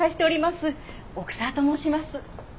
奥沢と申します。